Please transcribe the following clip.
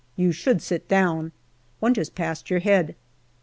You should sit down. One just passed your head."